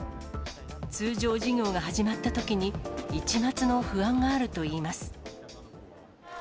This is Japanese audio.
通常授業が始まったときに、一抹の不安があるといいます。